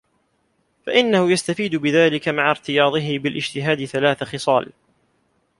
فَإِنَّهُ يَسْتَفِيدُ بِذَلِكَ مَعَ ارْتِيَاضِهِ بِالِاجْتِهَادِ ثَلَاثَ خِصَالٍ